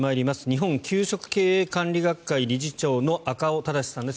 日本給食経営管理学会理事長の赤尾正さんです。